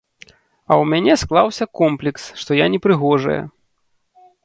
А ў мяне склаўся комплекс, што я непрыгожая.